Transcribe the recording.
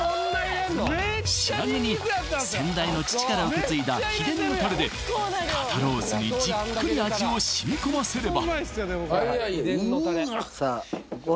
仕上げに先代の父から受け継いだ秘伝のタレで肩ロースにじっくり味を染みこませればうわ